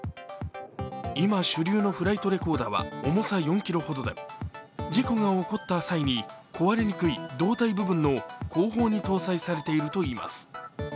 今、主流のフライトレコーダーは重さ４ｋｇほどで事故が起こった際に壊れにくい胴体部分の後方に搭載されているといいます。